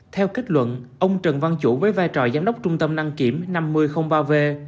theo kết luận ông trần văn chủ với vai trò giám đốc trung tâm đăng kiểm năm mươi ba v